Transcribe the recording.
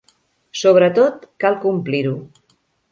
Sobretot, cal complir-ho.